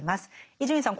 伊集院さん